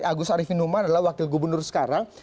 agus harifin numan adalah wakil gubernur sekarang